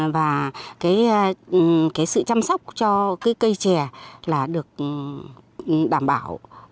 và sự chăm sóc cho cây trè là được đảm bảo